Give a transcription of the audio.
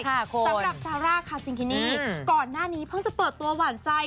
สำหรับซาร่าคาซิงกินี่ก่อนหน้านี้เพิ่งจะเปิดตัวหวานใจ